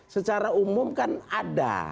secara umum kan ada